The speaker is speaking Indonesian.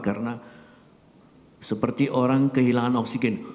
karena seperti orang kehilangan oksigen